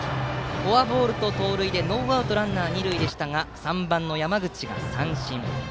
フォアボールと盗塁でノーアウトランナー、二塁でしたが３番の山口が三振。